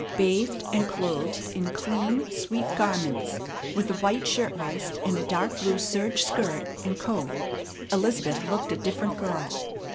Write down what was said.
Bathed and clothed in clean, sweet garments, with a white shirt waist and a dark blue serge skirt and coat, Elizabeth looked a different girl.